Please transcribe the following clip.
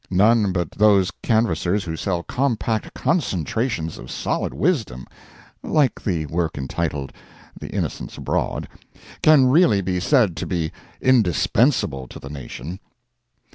None but those canvassers who sell compact concentrations of solid wisdom, like the work entitled "The Innocents Abroad," can really be said to be indispensable to the nation.